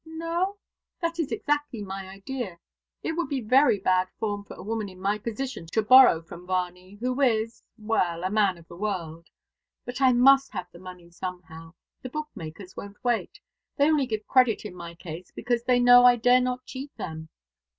"No? That is exactly my idea. It would be very bad form for a woman in my position to borrow from Varney who is well, a man of the world. But I must have the money somehow. The bookmakers won't wait. They only give credit in my case because they know I dare not cheat them."